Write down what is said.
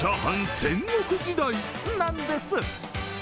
戦国時代なんです。